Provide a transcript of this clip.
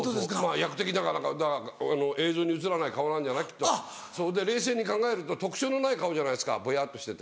役的だか何か映像に映らない顔なんじゃない？で冷静に考えると特徴のない顔じゃないですかぼやっとしてて。